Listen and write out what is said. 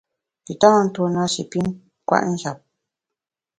Pü tâ ntuo na shi pi kwet njap.